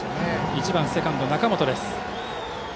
１番セカンド、中本です。